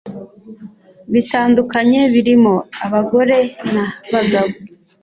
bitandukanye birimo abagore na bagabo